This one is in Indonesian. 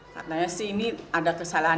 karena sih ini ada kesalahan